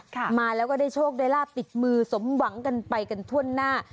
มาแล้วก็ได้โชคได้ลาบติดมือสมหวังกันไปกันทั่วหน้า